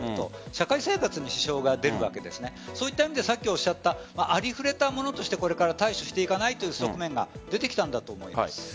社会生活に支障が出るわけでそういった意味でさっきおっしゃったあり触れたものとしてこれから対処していかないという側面が出てきたんだと思います。